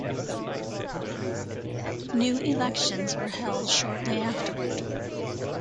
New elections were held shortly afterward.